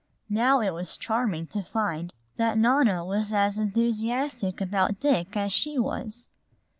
Now it was charming to find that Nona was as enthusiastic about Dick as she was.